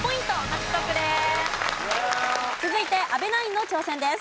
続いて阿部ナインの挑戦です。